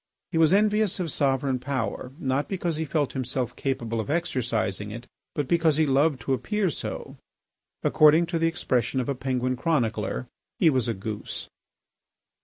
He was envious of sovereign power, not because he felt himself capable of exercising it, but because he loved to appear so. According to the expression of a Penguin chronicler, "he was a goose."